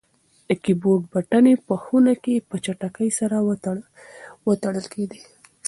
د کیبورډ بټنې په خونه کې په چټکۍ سره وتړکېدې.